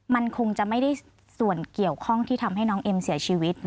มันคงจะไม่ได้ส่วนเกี่ยวข้องที่ทำให้น้องเอ็มเสียชีวิต